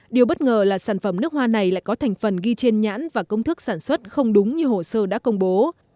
điều bất ngờ là sản phẩm nước hoa này lại có thành phần ghi trên nhãn và công thức sản xuất không đúng như hồ sơ đã công bố